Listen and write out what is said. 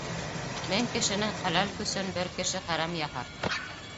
Мең кешенең хәләл көсөн бер кеше хәрәм яһар.